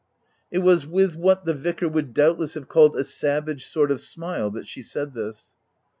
It was with what the Vicar would doubtless have called a savage sort of a smile that she said this.